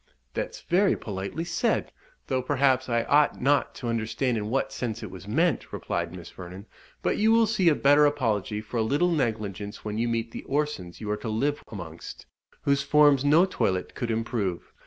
"That's very politely said though, perhaps, I ought not to understand in what sense it was meant," replied Miss Vernon; "but you will see a better apology for a little negligence when you meet the Orsons you are to live amongst, whose forms no toilette could improve.